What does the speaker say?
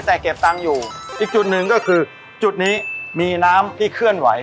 แต่เก็บตังค์อยู่อีกจุดหนึ่งก็คือจุดนี้มีน้ำที่เคลื่อนไหว